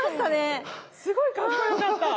すごいかっこよかった。